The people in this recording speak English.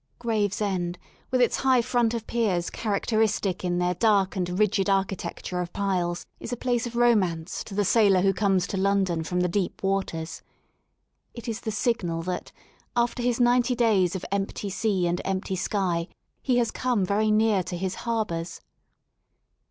Gravesend, with its high front of piers characteristic in their dark and rigid architecture of piles, is a place of romance to the sailor who comes to London from the deep waters. It is the signal that, after his ninety days of empty sea and empty sky, he has come very near to his harbours.